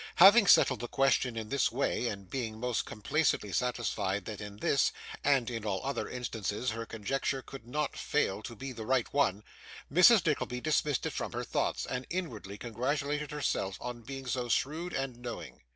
Having settled the question in this way, and being most complacently satisfied that in this, and in all other instances, her conjecture could not fail to be the right one, Mrs. Nickleby dismissed it from her thoughts, and inwardly congratulated herself on being so shrewd and knowing.